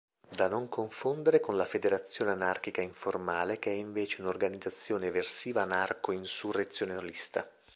Da non confondere con la Federazione anarchica informale che è invece un'organizzazione eversiva anarco-insurrezionalista.